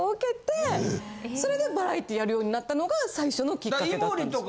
それでバラエティーやるようになったのが最初のキッカケだったんです。